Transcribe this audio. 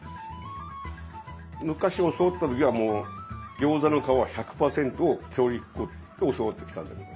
昔教わった時はもう餃子の皮は１００％強力粉って教わってきたんだけど。